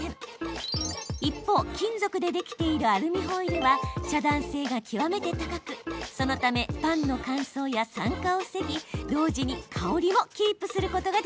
一方金属でできているアルミホイルは遮断性が極めて高くそのためパンの乾燥や酸化を防ぎ同時に香りもキープすることができたんです。